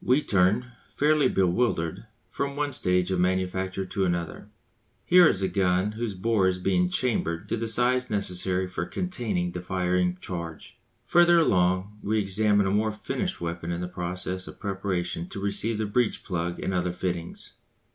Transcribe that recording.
We turn, fairly bewildered, from one stage of manufacture to another. Here is a gun whose bore is being "chambered" to the size necessary for containing the firing charge. Further along we examine a more finished weapon in process of preparation to receive the breech plug and other fittings.